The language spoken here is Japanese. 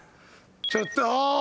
ちょっと！